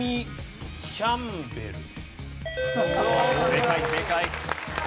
正解正解。